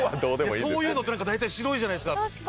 そういうのって白いじゃないですか。